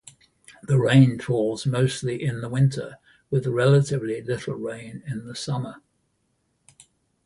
The rain falls mostly in the winter, with relatively little rain in the summer.